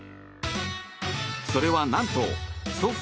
それは何と祖父